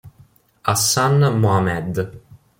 Hassan Mohamed